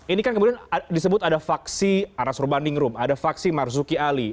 ini kan kemudian disebut ada faksi anas urbandingrum ada faksi marzuki ali